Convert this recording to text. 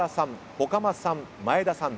外間さん前田さん